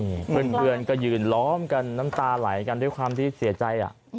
นี่เพื่อนก็ยืนล้อมกันน้ำตาไหลกันด้วยความที่เสียใจ